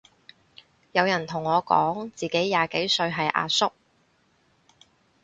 有人同我講自己廿幾歲係阿叔